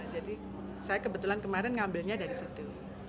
jadi saya kebetulan kemarin ngambilnya dari situ